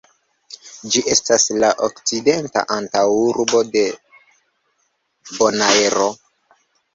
Ĝi estas la okcidenta antaŭurbo de Bonaero.